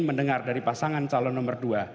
mendengar dari pasangan calon nomor dua